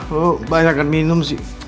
lo banyak yang minum sih